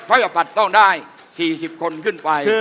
จะผัดต้องได้๔๐คนขึ้นไป